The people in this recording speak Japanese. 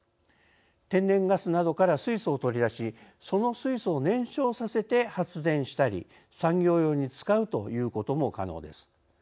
天然ガスなどから水素を取り出しその水素を燃焼させて発電したり産業用に使うということも可能です。